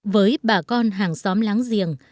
với bà con hàng xóm láng giềng